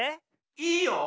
いいよ。